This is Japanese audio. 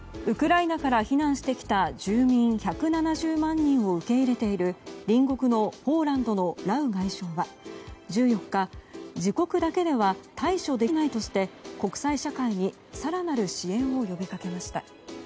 ウクライナから避難してきた住民１７０万人を受け入れている隣国のポーランドのラウ外相は１４日、自国だけでは対処できないとして国際社会に更なる支援を呼びかけました。